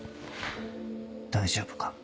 大丈夫か？